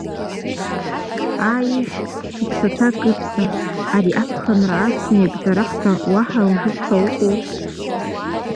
Аа ижә, уԥсаҭа кыдҵа, ари аԥхынра ас меигӡарахда уаҳа иужәып ҳәа уҟоу.